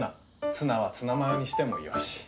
ツナはツナマヨにしてもよし。